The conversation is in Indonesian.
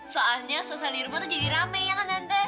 soalnya susah di rumah tuh jadi rame ya kan anda